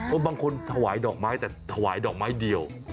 บางคนถวายดอกไม้แต่ถวายดอกไม้เดียว